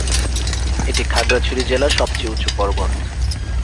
এটি খাগড়াছড়ি জেলার সবচেয়ে উঁচু পর্বত।